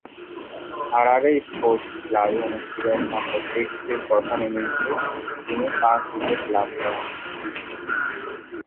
Harare sports ক্লাবে অনুষ্ঠিত একমাত্র টেস্টের প্রথম ইনিংসে তিনি পাঁচ উইকেট লাভ করেন।